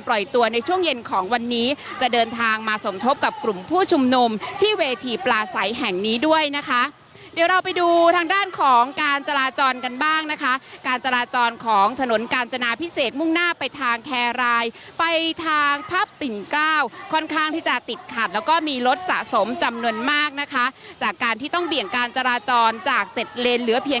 เป็นคนยิงค่ะผมเนี่ยแหละเป็นคนวิ่งหนีคือสองคนบอกว่าวิ่งหนีทั้งคู่เลย